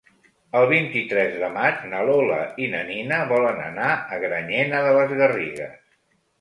El vint-i-tres de maig na Lola i na Nina volen anar a Granyena de les Garrigues.